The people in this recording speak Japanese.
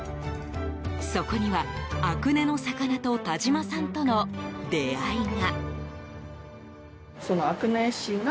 そこには阿久根の魚と田島さんとの出会いが。